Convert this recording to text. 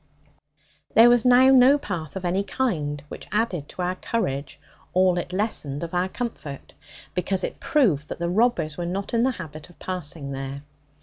There was now no path of any kind; which added to our courage all it lessened of our comfort, because it proved that the robbers were not in the habit of passing there.